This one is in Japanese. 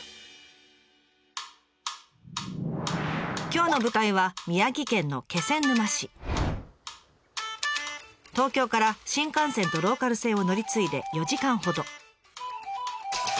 今日の舞台は東京から新幹線とローカル線を乗り継いで４時間ほど。